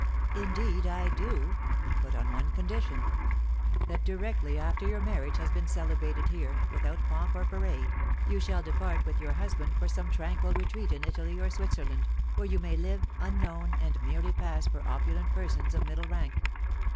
"Indeed I do; but on one condition: that directly after your marriage has been celebrated here, without pomp or parade, you shall depart with your husband for some tranquil retreat in Italy or Switzerland, where you may live unknown, and merely pass for opulent persons of middle rank.